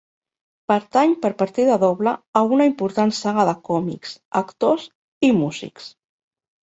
Pertany per partida doble a una important saga de còmics, actors i músics.